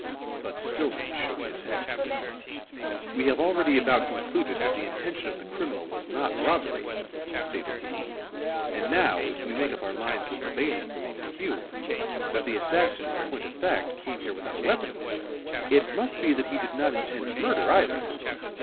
But Stillman shook his head. "We have already about concluded that the intention of the criminal was not robbery," stated he. "And now, if we make up our minds that the bayonet belonged to Hume that the assassin, in point of fact, came here without a weapon it must be that he did not intend murder either."